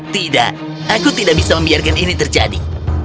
tidak aku tidak bisa membiarkan ini terjadi